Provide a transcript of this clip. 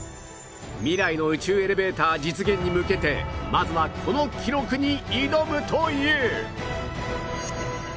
未来の宇宙エレベーター実現に向けてまずはこの記録に挑むという